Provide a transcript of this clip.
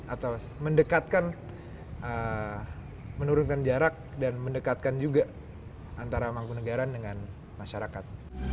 atau mendekatkan menurunkan jarak dan mendekatkan juga antara mangkunegaran dengan masyarakat